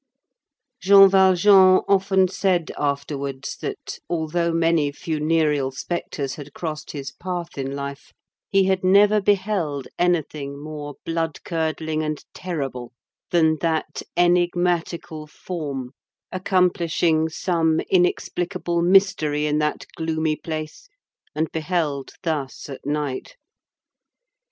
Jean Valjean often said afterwards, that, although many funereal spectres had crossed his path in life, he had never beheld anything more blood curdling and terrible than that enigmatical form accomplishing some inexplicable mystery in that gloomy place, and beheld thus at night.